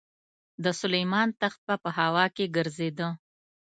د سلیمان تخت به په هوا کې ګرځېده.